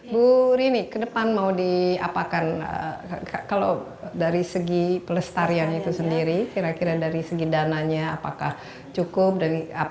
bu rini ke depan mau diapakan kalau dari segi pelestarian itu sendiri kira kira dari segi dananya apakah cukup